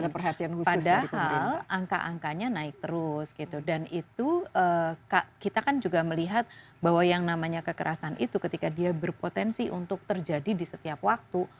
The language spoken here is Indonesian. padahal angka angkanya naik terus gitu dan itu kita kan juga melihat bahwa yang namanya kekerasan itu ketika dia berpotensi untuk terjadi di setiap waktu